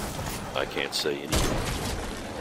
I can't say anymore.